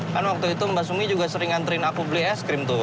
kan waktu itu mbak sumi juga sering ngantriin aku beli es krim tuh